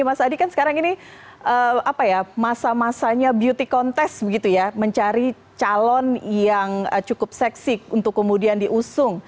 mas adi kan sekarang ini masa masanya beauty contest begitu ya mencari calon yang cukup seksi untuk kemudian diusung